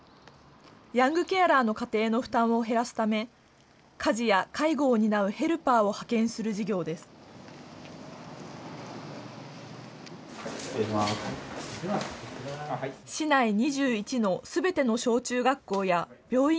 ヤングケアラーの家庭の負担を減らすため家事や介護を担うヘルパーを派遣する事業です。